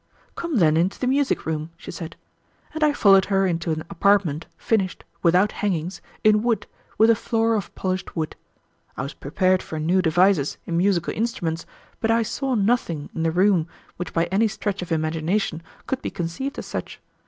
"Come, then, into the music room," she said, and I followed her into an apartment finished, without hangings, in wood, with a floor of polished wood. I was prepared for new devices in musical instruments, but I saw nothing in the room which by any stretch of imagination could be conceived as such.